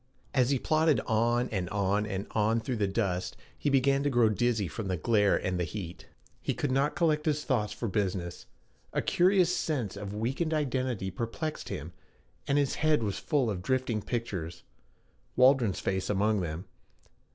As he plodded on and on and on through the dust, he began to grow dizzy from the glare and the heat. He could not collect his thoughts for business. A curious sense of weakened identity perplexed him, and his head was full of drifting pictures Waldron's face among them.